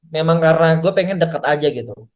memang karena gue pengen deket aja gitu